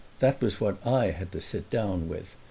—that was what I had to sit down with.